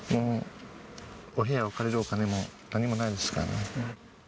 お部屋を借りるお金も、何もないですからね。